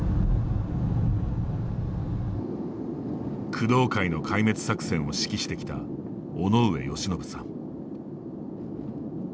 工藤会の壊滅作戦を指揮してきた尾上芳信さん。